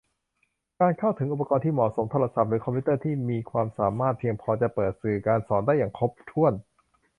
การเข้าถึงอุปกรณ์ที่เหมาะสม โทรศัพท์หรือคอมพิวเตอร์ที่มีความสามารถเพียงพอจะเปิดสื่อการสอนได้อย่างครบถ้วน